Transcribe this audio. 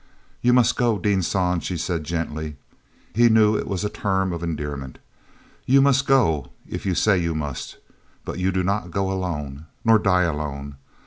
"You must go, Dean San," she said gently. He knew it was a term of endearment. "You must go if you say you must. But you do not go alone, nor die alone.